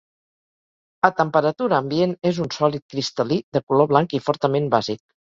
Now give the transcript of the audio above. A temperatura ambient és un sòlid cristal·lí de color blanc i fortament bàsic.